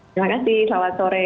terima kasih selamat sore